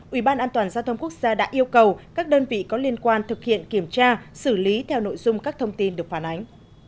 ủy ban an toàn giao thông quốc gia đã yêu cầu các đơn vị có liên quan thực hiện kiểm tra xử lý theo nội dung các thông tin được phản ánh